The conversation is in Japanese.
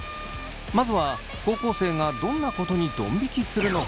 まずは高校生がどんなことにどん引きするのか？